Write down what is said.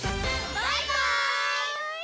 バイバイ！